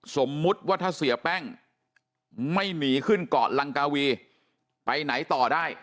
สมมุติว่าถ้าเสียแป้งไม่หนีขึ้นเกาะลังกาวีไปไหนต่อได้